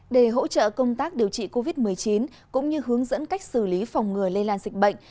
để hỗ trợ công tác điều trị covid một mươi chín cũng như hướng dẫn cách xử lý phòng ngừa lây lan dịch bệnh